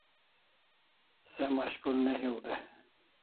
Se mashkul ne hiu dai